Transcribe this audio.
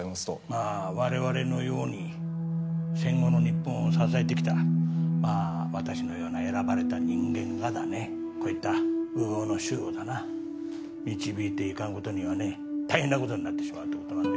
まあ我々のように戦後の日本を支えてきたまあ私のような選ばれた人間がだねこういった烏合の衆をだな導いていかん事にはね大変な事になってしまうという事なんですよ。